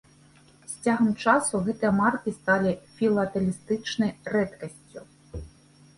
З цягам часу гэтыя маркі сталі філатэлістычнай рэдкасцю.